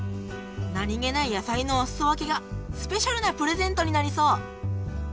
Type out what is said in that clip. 何気ない野菜のお裾分けがスペシャルなプレゼントになりそう！